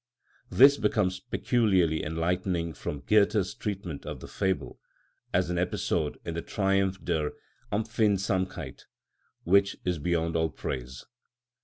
This becomes peculiarly enlightening from Goethe's treatment of the fable, as an episode in the Triumph der Empfindsamkeit, which is beyond all praise.